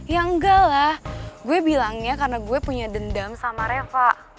ya enggak lah gue bilangnya karena gue punya dendam sama reva